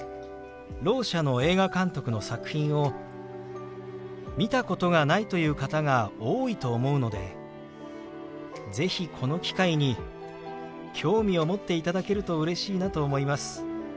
ろう者の映画監督の作品を見たことがないという方が多いと思うので是非この機会に興味を持っていただけるとうれしいなと思います。